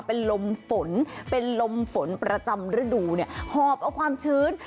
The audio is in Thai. เป็นลมฝนเป็นลมฝนประจำฤดูเนี่ยหอบเอาความชื้น